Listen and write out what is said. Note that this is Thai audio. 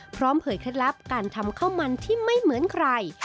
เผยเคล็ดลับการทำข้าวมันที่ไม่เหมือนใคร